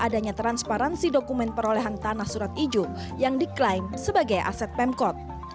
adanya transparansi dokumen perolehan tanah surat ijo yang diklaim sebagai aset pemkot